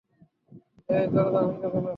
হেই, দরজা ভেঙে ফেলো!